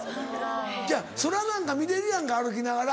いや空なんか見れるやんか歩きながら。